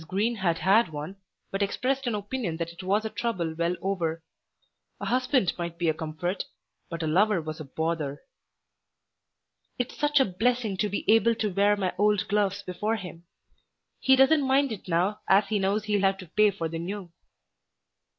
Green had had one, but expressed an opinion that it was a trouble well over. A husband might be a comfort, but a lover was a "bother." "It's such a blessing to be able to wear my old gloves before him. He doesn't mind it now as he knows he'll have to pay for the new."